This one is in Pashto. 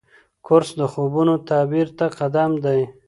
کورس د خوبونو تعبیر ته قدم دی.